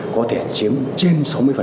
có thể chiếm trên sáu mươi